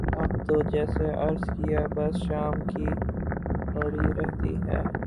اب تو جیسے عرض کیا بس شام کی پڑی رہتی ہے